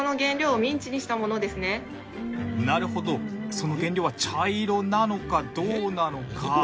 その原料は茶色なのかどうなのか。